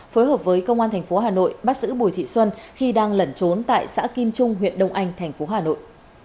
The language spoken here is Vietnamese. phối hợp với công an thành phố hà nội bắt giữ bùi thị xuân khi đang lẩn trốn tại xã kim trung huyện đông anh thành phố hà nội